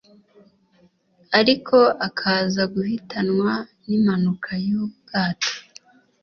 ariko akaza guhitanwa n'impanuka y'ubwato